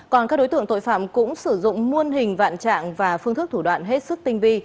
còn các đối tượng tội phạm cũng sử dụng muôn hình vạn trạng và phương thức thủ đoạn hết sức tinh vi